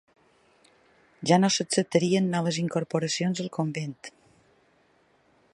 Ja no s'acceptarien noves incorporacions al convent.